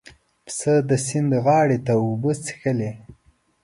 پسه د سیند غاړې ته اوبه څښلې.